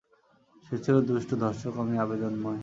সে ছিল দুষ্ট, ধর্ষকামী, আবেদনময়।